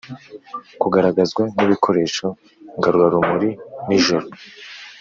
kugaragazwa n'ibikoresho ngarurarumuri nijoro